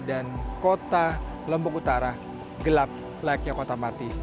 dan kota lombok utara gelap layaknya kota mati